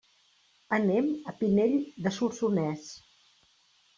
Anem a Pinell de Solsonès.